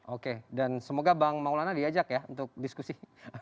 oke dan semoga bang maulana diajak ya untuk diskusi